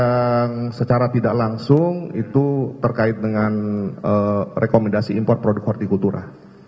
yang secara tidak langsung itu terkait dengan rekomendasi import produk hortikultura